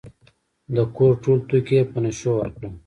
د کور ټول توکي یې په نشو ورکړل.